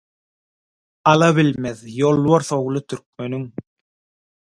Ala bilmez, ýolbars ogly türkmeniň.